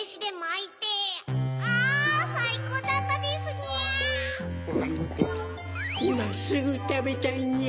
いますぐたべたいにゃ。